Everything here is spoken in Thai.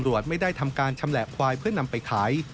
ไม่ได้ทำการชำแหละควายเพื่อนำไปขาย